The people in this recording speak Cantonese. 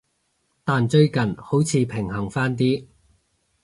但最近幾年好似平衡返啲